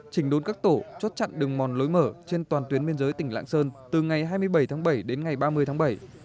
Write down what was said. chỉnh đốn các tổ chốt chặn đường mòn lối mở trên toàn tuyến biên giới tỉnh lạng sơn từ ngày hai mươi bảy tháng bảy đến ngày ba mươi tháng bảy